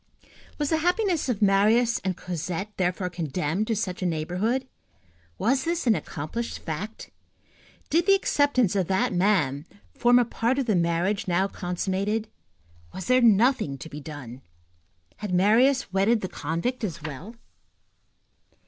Was the happiness of Marius and Cosette thenceforth condemned to such a neighborhood? Was this an accomplished fact? Did the acceptance of that man form a part of the marriage now consummated? Was there nothing to be done? Had Marius wedded the convict as well?